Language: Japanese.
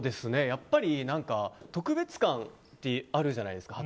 やっぱり特別感ってあるじゃないですか